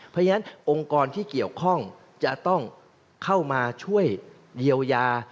เพราะฉะนั้นองค์กรที่เกี่ยวข้องจะต้องเข้ามาช่วยเยียวยา